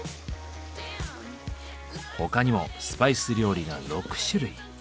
他にもスパイス料理が６種類。